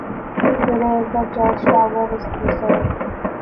Today the church tower is preserved.